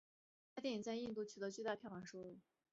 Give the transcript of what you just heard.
该电影在印度取得巨大的票房收入。